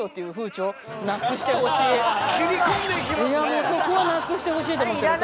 昨今のいやもうそこはなくしてほしいと思ってる私。